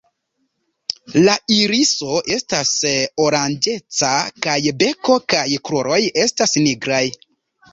La iriso estas oranĝeca, kaj beko kaj kruroj estas nigraj.